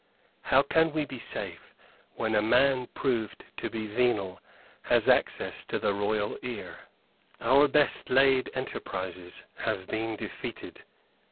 How can we be safe while a man proved to be venal has access to the royal ear? Our best laid enterprises have been defeated.